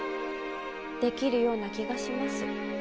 できるような気がします。